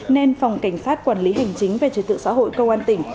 nên phòng cảnh sát quản lý hành chính về truyền thự xã hội cơ quan tỉnh